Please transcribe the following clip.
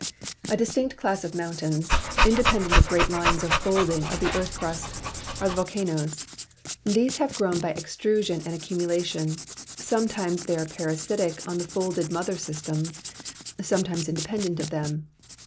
A distinct class of mountains, independent of great lines of folding of the earth crust, are the volcanoes. These have grown by e.xtrusion and accumulation; .sometimes they are parasitic on the folded mother sy.stems, sometimes independent of them.